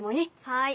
はい。